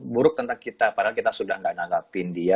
buruk tentang kita padahal kita sudah tidak nanggapin dia